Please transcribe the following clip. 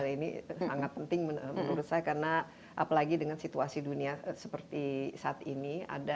ini sangat penting menurut saya karena apalagi dengan situasi dunia seperti saat ini